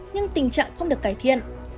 nhưng tình trạng không được cải thiện